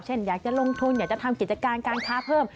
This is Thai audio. อยากจะลงทุนอยากจะทำกิจการการค้าเพิ่ม